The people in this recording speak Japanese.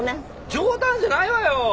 冗談じゃないわよ！